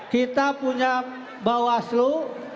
kita punya bawaslu